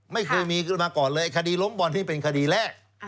ไม่เคยมีขึ้นมาก่อนเลยคดีล้มบอลนี่เป็นคดีแรก